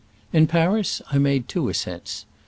In Paris I made two ascents.